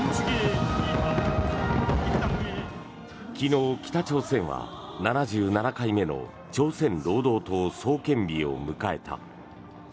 昨日、北朝鮮は、７７回目の朝鮮労働党創建日を迎えた。